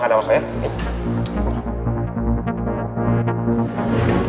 makan makan makan